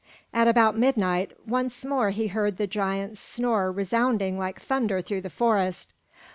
At about midnight, once more he heard the giant's snore resounding like thunder through the forest.